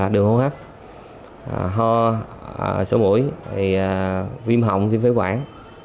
đường hô hấp ho sổ mũi viêm họng viêm phế quản